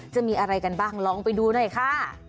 จะมีอะไรกันบ้างลองไปดูหน่อยค่ะ